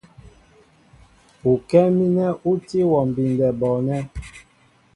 Ukɛ́ɛ́ mínɛ ú tí wɔ mbindɛ bɔɔnɛ́.